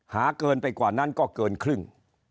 เกินไปกว่านั้นก็เกินครึ่ง